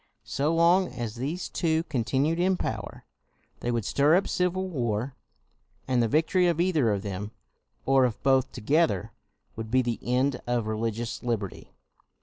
So long as these two continued in power, they would stir up civil war; and the victory of either of them, or of both together, would be the end of religious liberty.